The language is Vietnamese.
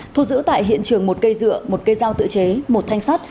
thu giữ tại hiện trường một cây dựa một cây dao tự chế một thanh sắt